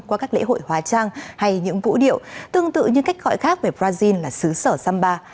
qua các lễ hội hóa trang hay những vũ điệu tương tự như cách gọi khác về brazil là xứ sở samba